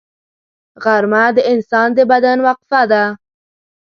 غرمه د انسان د بدن وقفه ده